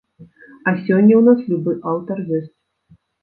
А сёння ў нас любы аўтар ёсць.